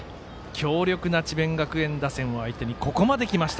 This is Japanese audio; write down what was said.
強力な智弁学園打線に対しここまできました